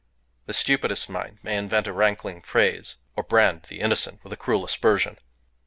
The stupidest mind may invent a rankling phrase or brand the innocent with a cruel aspersion.